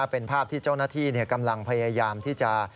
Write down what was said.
เป็นภาพที่เจ้าหน้าที่กำลังพยายามที่จะ